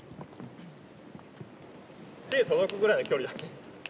手届くぐらいの距離だね。